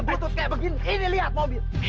putus kayak begini ini lihat mobil